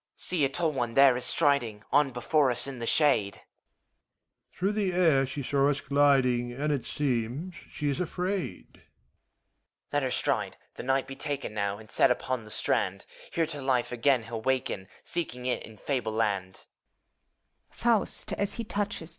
HOMUNCULUS. See! a tall one there is striding On before us, in the shade. MEPHISTOPHELES. Through the air she saw us gliding. And it seems she is afraid. HOMUNCULUS. Let her stride ! The knight be taken Now, and set upon the strand: Here to life again he'll waken, Seeking it in fable land.